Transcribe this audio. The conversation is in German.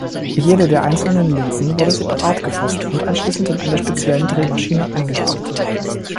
Jede der einzelnen Linsen wurde separat gefasst und anschließend in einer speziellen Drehmaschine eingespannt.